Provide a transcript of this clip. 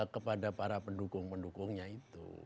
kepada para pendukung pendukungnya itu